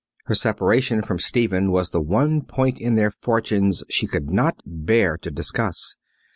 Her separation from Stephen was the one point in their fortunes she could not bear to discuss.